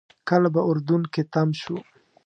کله به اردن کې تم شو.